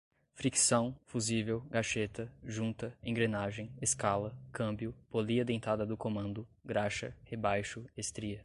fricção, fusível, gaxeta, junta, engrenagem, escala, câmbio, polia dentada do comando, graxa, rebaixo, estria